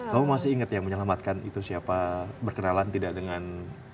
kamu masih ingat ya menyelamatkan itu siapa berkenalan tidak dengan